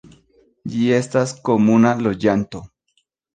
Ĝi estas komuna loĝanto.